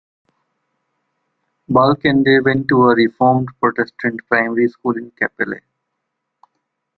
Balkenende went to a Reformed Protestant primary school in Kapelle.